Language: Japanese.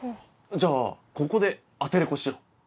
じゃあここでアテレコしよう。